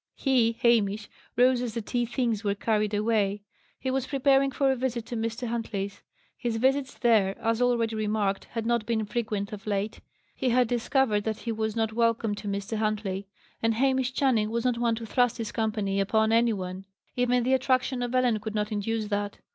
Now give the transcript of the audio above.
He, Hamish, rose as the tea things were carried away. He was preparing for a visit to Mr. Huntley's. His visits there, as already remarked, had not been frequent of late. He had discovered that he was not welcome to Mr. Huntley. And Hamish Channing was not one to thrust his company upon any one: even the attraction of Ellen could not induce that.